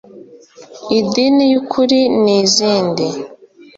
Idini y’Ukuri n’izindi